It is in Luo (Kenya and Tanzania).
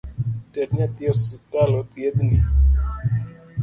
Ter nyathi osiptal othiedhi